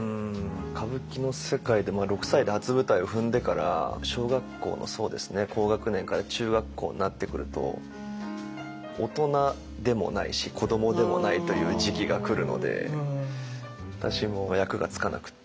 歌舞伎の世界で６歳で初舞台を踏んでから小学校の高学年から中学校になってくると大人でもないし子どもでもないという時期が来るので私も役がつかなくって。